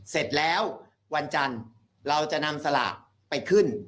เสร็จแล้ววันจันทร์เราจะนำสลากไปขึ้น